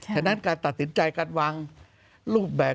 ฉะนั้นการตัดสินใจการวางรูปแบบ